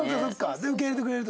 で受け入れてくれると？